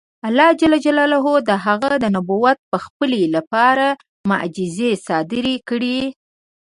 الله جل جلاله د هغه د نبوت د پخلي لپاره معجزې صادرې کړې.